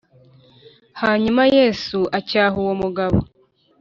Hanyuma Yesu acyaha uwo mugabo